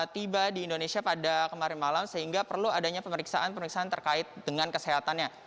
tiba di indonesia pada kemarin malam sehingga perlu adanya pemeriksaan pemeriksaan terkait dengan kesehatannya